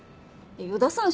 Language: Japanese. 与田さん